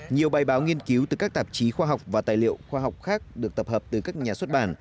nhiều bài báo nghiên cứu từ các tạp chí khoa học và tài liệu khoa học khác được tập hợp từ các nhà xuất bản